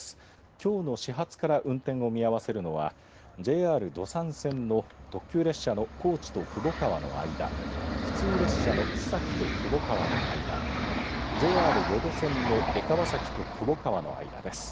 きょうの始発から運転を見合わせるのはＪＲ土讃線の特急列車の高知と窪川の間普通列車の須崎と窪川の間ＪＲ予土線の江川崎と窪川の間です。